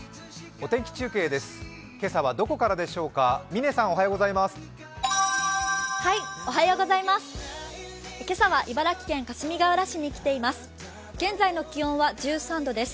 お天気中継です